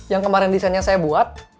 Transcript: yang kemarin desainnya saya buat